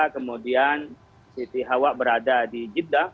kemudian siti hawa berada di jibda